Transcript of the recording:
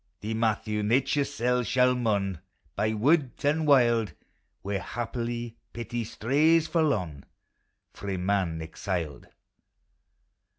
Thee, Matthew, Xature's seF shall mourn By wood and wild, Where, haply, pity strays forlorn, Frae man exiled.